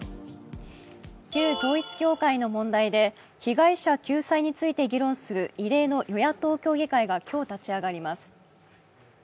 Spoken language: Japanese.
旧統一教会の問題で、被害者救済について議論する異例の与野党協議会が今日立ち上がります。